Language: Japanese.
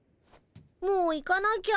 もう行かなきゃ。